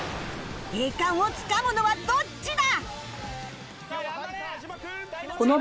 栄冠をつかむのはどっちだ？